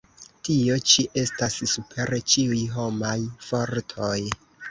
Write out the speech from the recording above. Tio ĉi estas super ĉiuj homaj fortoj!